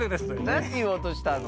なんていおうとしたの？